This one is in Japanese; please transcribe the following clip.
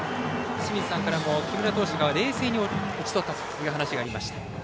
清水さんからも木村投手が冷静に打ち取ったという話がありました。